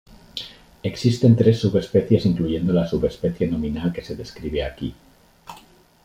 Existen tres subespecies, incluyendo la subespecie nominal que se describe aquí.